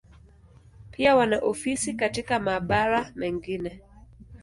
Pia wana ofisi katika mabara mengine.